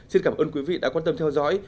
xin cảm ơn quý vị đã quan tâm theo dõi